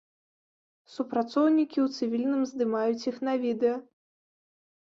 Супрацоўнікі ў цывільным здымаюць іх на відэа.